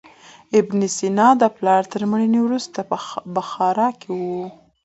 ابن سینا د پلار تر مړینې وروسته په بخارا کې و.